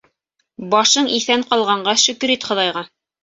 Башың иҫән ҡалғанға шөкөр ит Хоҙайға!